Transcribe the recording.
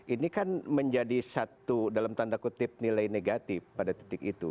ini kan menjadi satu dalam tanda kutip nilai negatif pada titik itu